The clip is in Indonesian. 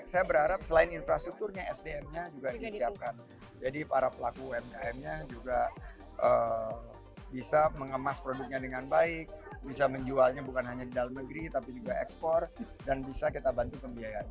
saya berharap selain infrastrukturnya sdm nya juga disiapkan jadi para pelaku umkm nya juga bisa mengemas produknya dengan baik bisa menjualnya bukan hanya di dalam negeri tapi juga ekspor dan bisa kita bantu pembiayaan